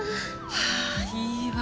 あいいわ。